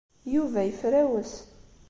Yuba yefrawes.